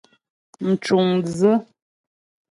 Mcuŋdzʉ́.